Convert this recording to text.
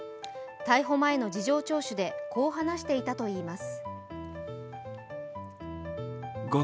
逮捕前の事情聴取でこう話していたといいます。